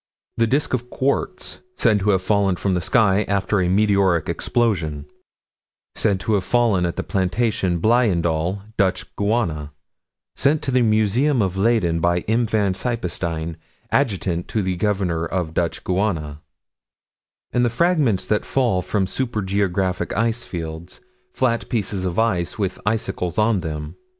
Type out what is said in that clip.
The disk of quartz, said to have fallen from the sky, after a meteoric explosion: Said to have fallen at the plantation Bleijendal, Dutch Guiana: sent to the Museum of Leyden by M. van Sypesteyn, adjutant to the Governor of Dutch Guiana (Notes and Queries, 2 8 92). And the fragments that fall from super geographic ice fields: flat pieces of ice with icicles on them.